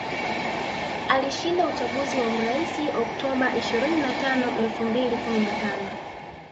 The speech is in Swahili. Alishinda uchaguzi wa urais Oktoba ishirini na tano elfu mbili na kumi na tano